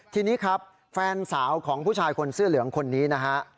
ทีนี้ครับแฟนสาวของผู้ชายคนเสื้อเหลืองคนนี้นะฮะ